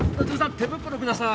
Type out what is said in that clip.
手袋ください